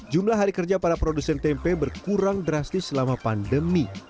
jumlah hari kerja para produsen tempe berkurang drastis selama pandemi